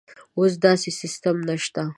اوس داسې سیستم نشته.